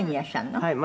「はい。